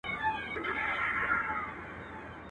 هغه ورځ لکه کارګه په ځان پوهېږي.